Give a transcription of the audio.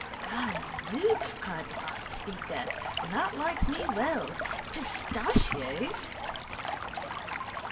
—Gadzooks! cried the last speaker. That likes me well. Pistachios!